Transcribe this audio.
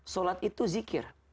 sholat itu berzikir